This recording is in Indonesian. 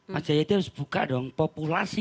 mas jayadi harus buka dong populasi